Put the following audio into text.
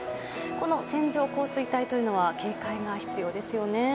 この線状降水帯というのは警戒が必要ですよね。